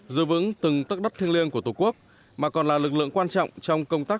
giữ vững từng tất đất thiêng liêng của tổ quốc mà còn là lực lượng quan trọng trong công tác